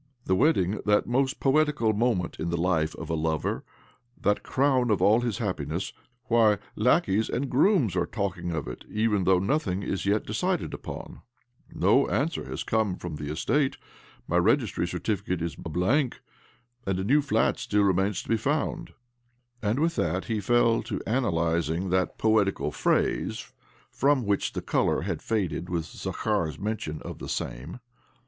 The wedding, that most poetical moment in the life of a lover, that crown of all his happiness — why, lacqueys and grooms are talking of it even though nothing is yet decided upon ! No answer has come from the estate, my registry certificate is a blank, and a new flat still remains to be found." With that he fell to analysing that poetical phase from which the colour had faded with Zakhar's mention of the isame.